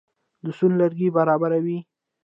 د سون لرګي برابروي.